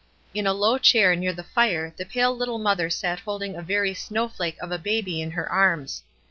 In a low chair near the fire the pale little mother sat holding a very snow flake of a baby in her arms.